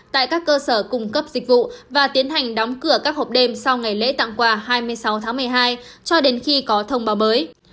tại các cơ sở cung cấp dịch vụ và tiến hành đóng cửa các hộp đêm sau ngày lễ tặng quà hai mươi sáu tháng một mươi hai cho đến khi có thông báo mới